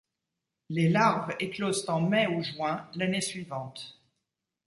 Les larves éclosent en mai ou juin l'année suivante.